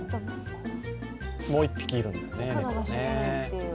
もう１匹いるんだね、猫が。